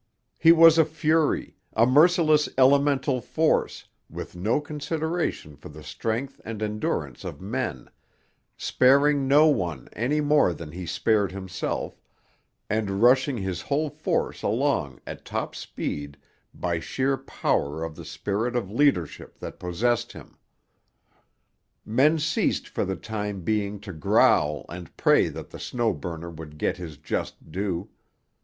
He was a fury, a merciless elemental force, with no consideration for the strength and endurance of men; sparing no one any more than he spared himself, and rushing his whole force along at top speed by sheer power of the spirit of leadership that possessed him. Men ceased for the time being to growl and pray that the Snow Burner would get his just due.